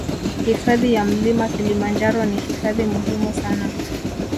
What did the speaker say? Hifadhi ya mlima kilimanjaro ni hifadhi muhimu sana